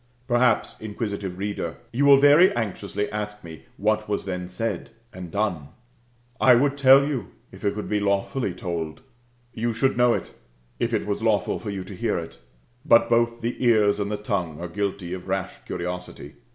Perhaps, inquisitive reader, you will very anxiously ask me what was then said and done ? I would tell you, if it could be lawfully told ; you should know it, if it was lawful for you to hear it. But both the ears and the tongue are guilty of rash curiosity.